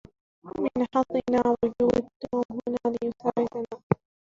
من حظنا وجود توم هنا ليساعدنا.